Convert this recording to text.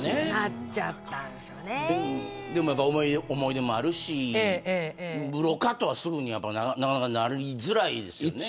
でも、思い出もあるし売ろうかとはすぐにはなかなかなりづらいですよね。